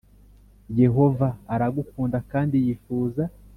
Yehova aragukunda kandi yifuza